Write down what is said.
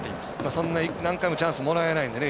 そんな何回もチャンスもらえないのでね